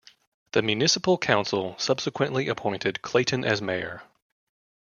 The municipal council subsequently appointed Clayton as mayor.